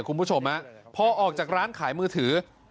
คุณผู้ชมพอออกจากร้านขายมือถือ